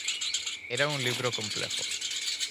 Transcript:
Era un libro complejo.